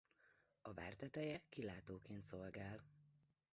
A vár teteje kilátóként szolgál.